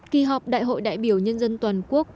kỳ họp đại hội đại biểu nhân dân toàn quốc